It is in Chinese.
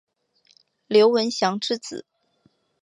刘文翔之子。